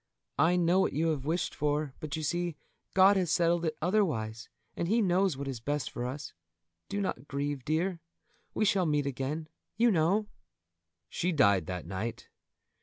I know what you have wished for, but you see God has settled it otherwise, and He knows what is best for us. Do not grieve, dear; we shall meet again, you know!" She died that night.